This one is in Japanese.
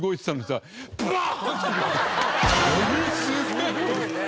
すごいね。